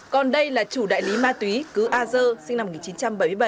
còn đây là chủ đại lý ma túy cứ a dơ sinh năm một nghìn chín trăm bảy mươi bảy